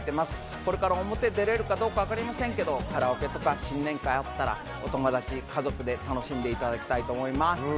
これから表に出られるかどうかわかりませんけど、カラオケとか、新年会があったらお友達、家族で楽しんでいただきたいと思います。